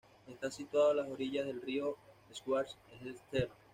Está situado a las orillas del río Schwarze Elster.